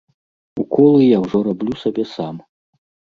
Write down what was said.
Уколы я ўжо раблю сабе сам.